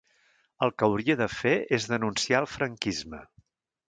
El que hauria de fer és denunciar el franquisme.